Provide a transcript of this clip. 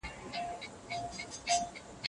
احمد شاه ابدالي څنګه د سولې هڅې جاري وساتلې؟